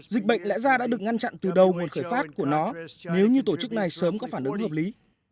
dịch bệnh lẽ ra đã được ngăn chặn từ đầu nguồn khởi phát của nó nếu như tổ chức này sớm có phản ứng hợp lý